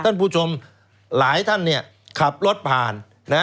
ท่านผู้ชมหลายท่านขับรถผ่าน